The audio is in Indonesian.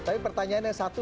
tapi pertanyaan yang satu